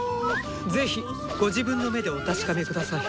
是非ご自分の目でお確かめ下さい。